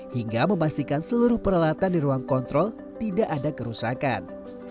hingga memastikan seluruh peralatan di ruang kontrol tidak ada kerusakan